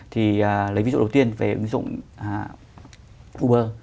thì lấy ví dụ đầu tiên về ứng dụng uber